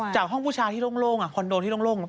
จากห้องผู้ชายที่โล่งคอนโดที่โล่ง